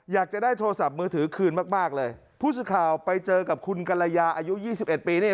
อยากจะได้โทรศัพท์มือถือคืนมากมากเลยผู้สื่อข่าวไปเจอกับคุณกรยาอายุยี่สิบเอ็ดปีนี่